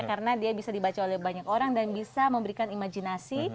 karena dia bisa dibaca oleh banyak orang dan bisa memberikan imajinasi